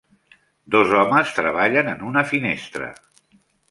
Dos homes treballen en una finestra.